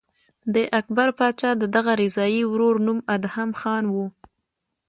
د اکبر پاچا د دغه رضاعي ورور نوم ادهم خان و.